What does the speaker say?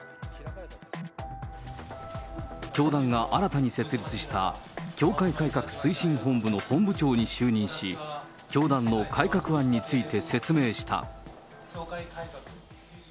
教団が新たに設立した、教会改革推進本部の本部長に就任し、教団の改革案について説明した。